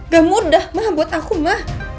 gak mudah ma buat aku ma